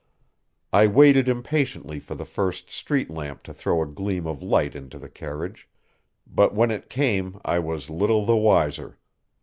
I waited impatiently for the first street lamp to throw a gleam of light into the carriage. But when it came I was little the wiser.